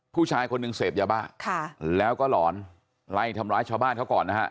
ผู้ชายคนหนึ่งเสพยาบ้าค่ะแล้วก็หลอนไล่ทำร้ายชาวบ้านเขาก่อนนะฮะ